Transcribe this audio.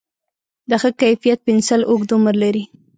د ښه کیفیت پنسل اوږد عمر لري.